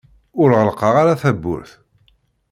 Ur ɣellqeɣ ara tawwurt.